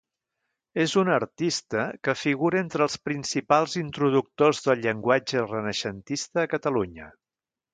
És un artista que figura entre els principals introductors del llenguatge renaixentista a Catalunya.